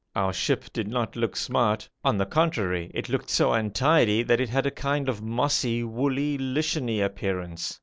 Our ship did not look smart; on the contrary it looked so untidy that it had a kind of mossy, woolly, licheny appearance.